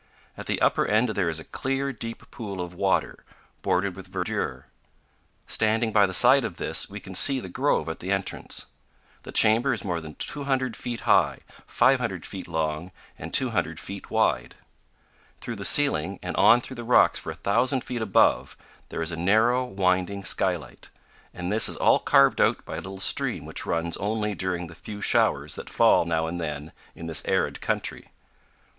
At the upper end there is a clear, deep pool of water, bordered with verdure. Standing by the side of this, we can see the grove at the entrance. The chamber is more than 200 feet high, 500 feet long, and 200 feet wide. Through the ceiling, and on through the rocks for a thousand feet above, there is a narrow, winding skylight; and this is all carved out by a little stream which runs only during the few showers that fall now and then in this arid country.